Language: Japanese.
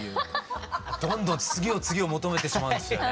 どんどん次を次を求めてしまうんですよね。